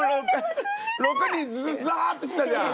６人ザーッと来たじゃん。